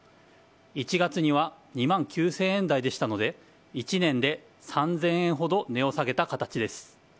１月には２万９０００円台でしたので１年で３０００円ほど値を下げた形です。